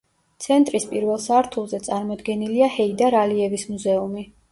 ცენტრის პირველ სართულზე წარმოდგენილია „ჰეიდარ ალიევის მუზეუმი“.